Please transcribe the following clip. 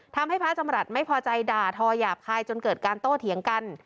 ทำให้พระจำรัฐไม่พอใจด่าทอหยาบคายจนเกิดการโต้เถียงกัน